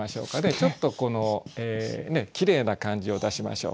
ちょっときれいな感じを出しましょう。